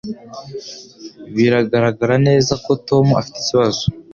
Biragaragara neza ko Tom afite ikibazo.